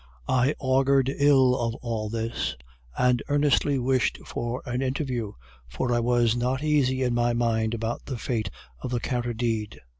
I augured ill of all this, and earnestly wished for an interview, for I was not easy in my mind about the fate of the counter deed.